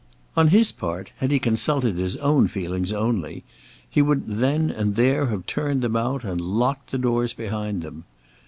On his part, had he consulted his own feelings only, he would then and there have turned them out, and locked the doors behind them.